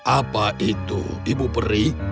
apa itu ibu peri